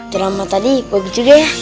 drama tadi pagi juga ya